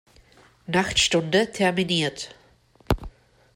Nachtstunde terminiert.